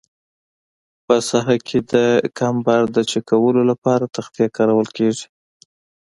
په ساحه کې د کمبر د چک کولو لپاره تختې کارول کیږي